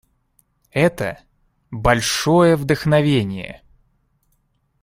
Это — большое вдохновение!